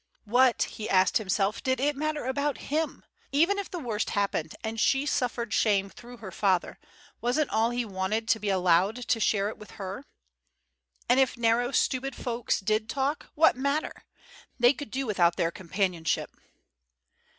_ What, he asked himself, did it matter about him? Even if the worst happened and she suffered shame through her father, wasn't all he wanted to be allowed to share it with her? And if narrow, stupid fools did talk, what matter? They could do without their companionship.